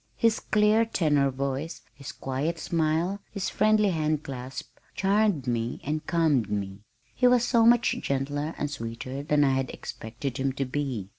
His clear tenor voice, his quiet smile, his friendly hand clasp charmed me and calmed me. He was so much gentler and sweeter than I had expected him to be.